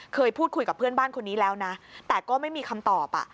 เคยพูดคุยกับเพื่อนบ้านคนนี้แล้วนะแต่ก็ไม่มีคำตอบ